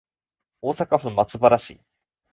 大阪府松原市